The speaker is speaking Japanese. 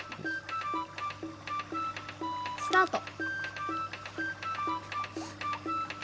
スタート。